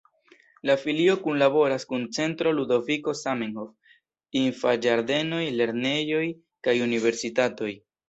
La filio kunlaboras kun Centro Ludoviko Zamenhof, infanĝardenoj, lernejoj kaj universitatoj.